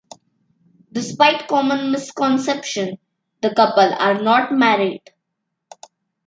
Despite common misconception, the couple are not married.